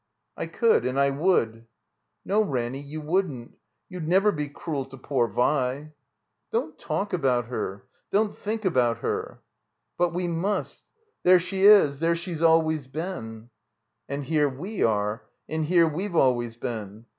''I could, and I would." "No, Ranny, you wouldn't. You'd never be cruel to poor Vi." "Don't talk about her. Don't think about her." '' But we must. There she is. There she's always been—" "And here we are. And here we've always been.